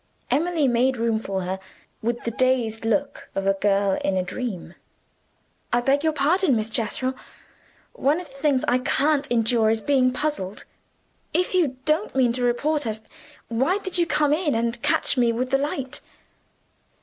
Emily made room for her with the dazed look of a girl in a dream. "I beg your pardon, Miss Jethro, one of the things I can't endure is being puzzled. If you don't mean to report us, why did you come in and catch me with the light?"